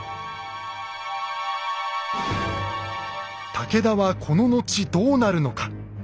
武田はこの後どうなるのか。